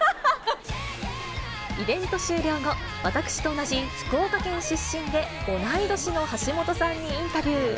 イベント終了後、私と同じ福岡県出身で、同い年の橋本さんにインタビュー。